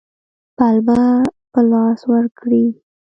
پلمه په لاس ورکړي.